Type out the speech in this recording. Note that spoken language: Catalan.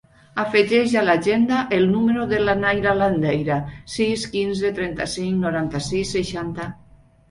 Afegeix a l'agenda el número de la Nayra Landeira: sis, quinze, trenta-cinc, noranta-sis, seixanta.